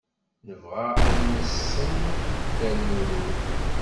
Nebɣa ad nessen Dda Lmulud.